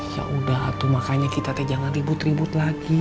ya udah tuh makanya kita teh jangan ribut ribut lagi